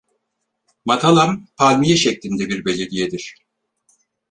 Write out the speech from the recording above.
Matalam, palmiye şeklinde bir belediyedir.